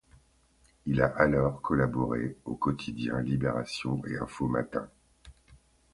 Il a alors collaboré aux quotidiens Libération et Info Matin.